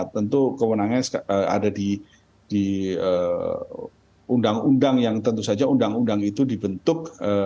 tentu kewenangannya ada di undang undang yang tentu saja undang undang itu dibentuk